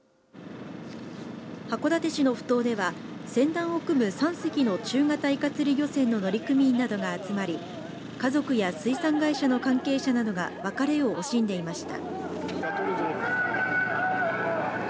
函館市のふ頭では船団を組む３隻の中型イカ釣り漁船の乗組員などが集まり家族や水産会社の関係者などが別れを惜しんでいました。